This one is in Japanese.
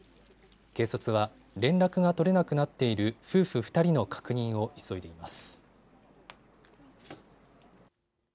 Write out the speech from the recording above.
警察は連絡が取れなくなっている夫婦２人の確認を急いでいます。